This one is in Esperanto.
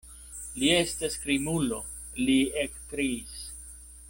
Li estas krimulo, li ekkriis.